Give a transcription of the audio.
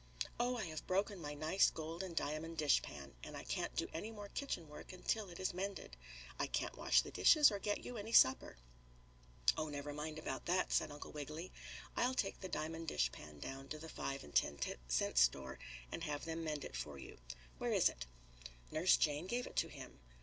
"Oh, I have broken my nice gold and diamond dishpan, and I can't do any more kitchen work until it is mended. I can't wash the dishes nor get you any supper." "Oh, never mind about that," said Uncle Wiggily. "I'll take the diamond dishpan down to the five and ten cent store and have them mend it for you. Where is it?" Nurse Jane gave it to him.